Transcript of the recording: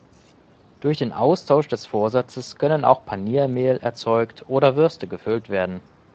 Durch den Austausch des Vorsatzes können auch Paniermehl erzeugt oder Würste gefüllt werden.